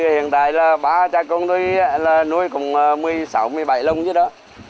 hiện tại là ba cha con tôi nuôi cùng một mươi sáu một mươi bảy lồng chứ đó